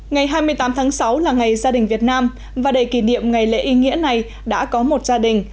ngày hai mươi tám tháng sáu là ngày gia đình việt nam và đầy kỷ niệm ngày lễ ý nghĩa này đã có một gia đình